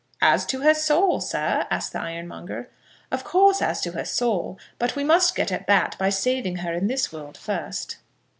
"As to her soul, sir?" asked the ironmonger. "Of course, as to her soul. But we must get at that by saving her in this world first."